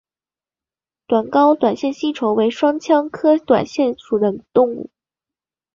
微睾短腺吸虫为双腔科短腺属的动物。